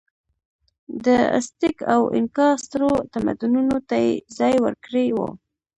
د ازتېک او اینکا سترو تمدنونو ته یې ځای ورکړی و.